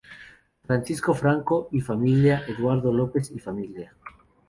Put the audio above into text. Francisco Franco y familia, Eduardo López y familia.